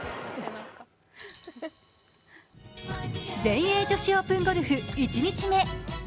全英女子オープンゴルフ１日目。